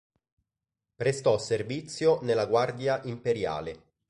Prestò servizio nella Guardia imperiale.